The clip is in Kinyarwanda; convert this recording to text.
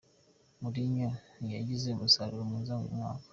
Mourinho ntiyagize umusaruro mwiza uyu mwaka.